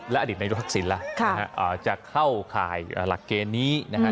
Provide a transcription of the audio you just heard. อดีตนายกทักษิณล่ะจะเข้าข่ายหลักเกณฑ์นี้นะฮะ